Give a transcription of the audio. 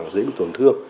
dễ bị tổn thương